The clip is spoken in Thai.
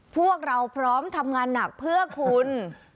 พวกเราพร้อมทำงานหนักเพื่อคุณ